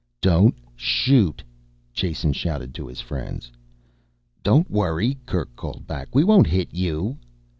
"Don't shoot!" Jason shouted to his friends. "Don't worry," Kerk called back. "We won't hit you."